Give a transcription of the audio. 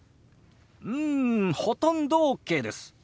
うんほとんどＯＫです。